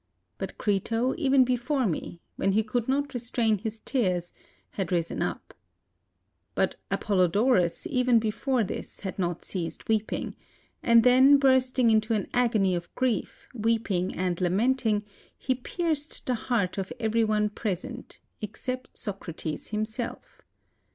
But Crito, even before me, when he could not restrain his tears, had risen up. But Apollodorus even before this had not ceased weeping, and then bursting into an agony of grief, weeping and lamenting, he pierced the heart of i8i GREECE every one present, except Socrates himself.